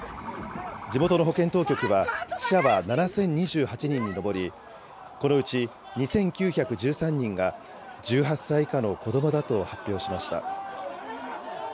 地元の保健当局は、死者は７０２８人に上り、このうち２９１３人が１８歳以下の子どもだと発表しました。